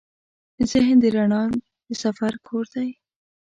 ذهن د رڼا د سفر کور دی.